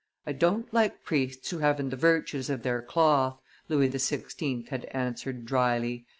"I don't like priests who haven't the virtues of their cloth," Louis XVI. had answered dryly.